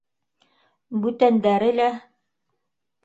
Бүтәндәре лә: